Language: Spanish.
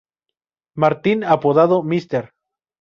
Martin, apodado "Mr.